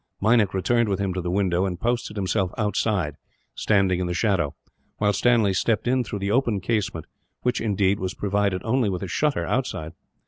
Meinik returned with him to the window, and posted himself outside, standing in the shadow; while Stanley stepped in through the open casement which, indeed, was provided only with a shutter outside.